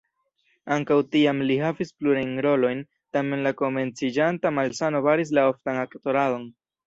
Ankaŭ tiam li havis plurajn rolojn, tamen la komenciĝanta malsano baris la oftan aktoradon.